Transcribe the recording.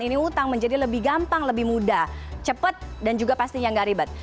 ini utang menjadi lebih gampang lebih mudah cepat dan juga pastinya nggak ribet